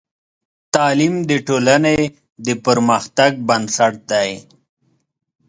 تعلیم د ټولنې د پرمختګ بنسټ دی.